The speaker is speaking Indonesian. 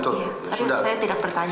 tapi saya tidak bertanya